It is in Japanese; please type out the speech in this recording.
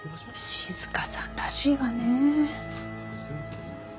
静さんらしいわね。